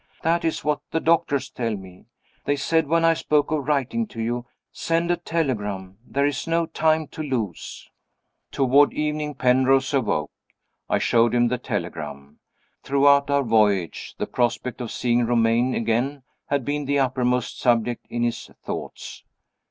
That is what the doctors tell me. They said, when I spoke of writing to you, 'Send a telegram; there is no time to lose.'" Toward evening Penrose awoke. I showed him the telegram. Throughout our voyage, the prospect of seeing Romayne again had been the uppermost subject in his thoughts.